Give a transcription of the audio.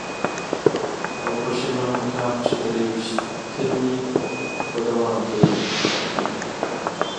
او په شلم مقام چې تر يوویشتمې به دوام کوي